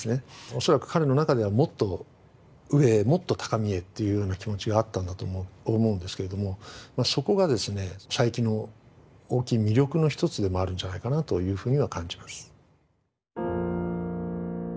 恐らく彼の中ではもっと上へもっと高みへというような気持ちがあったんだと思うんですけれどもそこがですね佐伯の大きい魅力の一つでもあるんじゃないかなというふうには感じます。